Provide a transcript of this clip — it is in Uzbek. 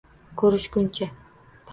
Ко’rishguncha!